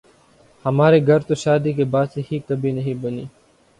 ہمارے گھر تو شادی کے بعد سے ہی کبھی نہیں بنی